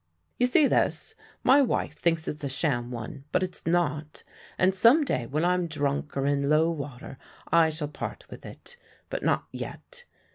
"You see this? My wife thinks it a sham one, but it's not. And some day, when I'm drunk or in low water, I shall part with it but not yet.